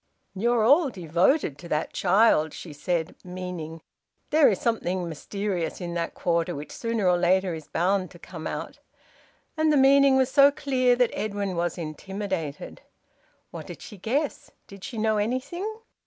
"You're all very devoted to that child," she said, meaning, "There is something mysterious in that quarter which sooner or later is bound to come out." And the meaning was so clear that Edwin was intimidated. What did she guess? Did she know anything?